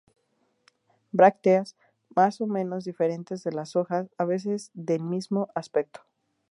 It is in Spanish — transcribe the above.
Brácteas más o menos diferentes de las hojas, a veces del mismo aspecto.